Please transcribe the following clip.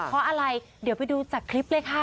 เพราะอะไรเดี๋ยวไปดูจากคลิปเลยค่ะ